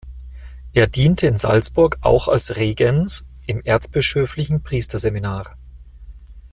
Er diente in Salzburg auch als Regens im erzbischöflichen Priesterseminar.